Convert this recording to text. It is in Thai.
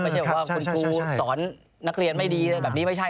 ไม่ใช่ว่าคุณครูสอนนักเรียนไม่ดีแบบนี้ไม่ใช่